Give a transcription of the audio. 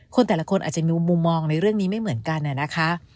แต่ละคนอาจจะมีมุมมองในเรื่องนี้ไม่เหมือนกันนะคะ